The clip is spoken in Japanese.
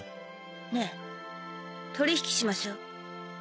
ねえ取引しましょう